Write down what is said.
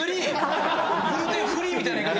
グルテンフリーみたいな言い方。